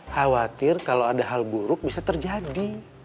khawatir kalau ada hal buruk bisa terjadi